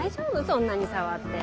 そんなに触って。